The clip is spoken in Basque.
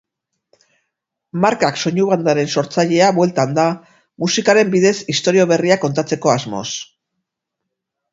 Markak soinu-bandaren sortzailea bueltan da, musikaren bidez istorio berriak kontatzeko asmoz.